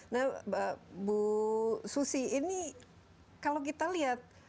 nah bu susi ini kalau kita lihat